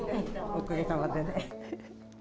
おかげさまでね。